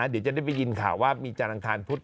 เดี๋ยวจะได้ยินข่าวว่ามีจานอังคารพุธ